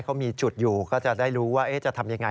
เขามีจุดอยู่ก็จะได้รู้ว่าจะทำยังไง